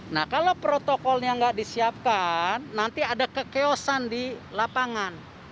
nah kalau protokolnya nggak disiapkan nanti ada kekeosan di lapangan